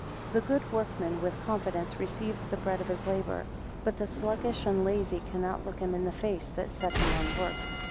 THE good workman with confidence receives the bread of his labour; but the sluggish and lazy cannot look him in the face that set him on work.